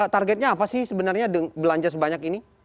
targetnya apa sih sebenarnya belanja sebanyak ini